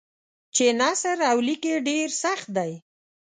چې نثر او لیک یې ډېر سخت دی.